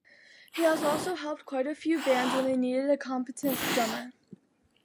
He has also helped quite a few bands when they needed a competent drummer.